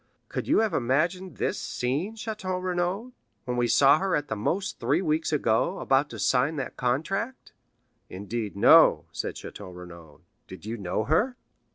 Could you have imagined this scene, Château Renaud, when we saw her, at the most three weeks ago, about to sign that contract?" "Indeed, no," said Château Renaud." "Did you know her?"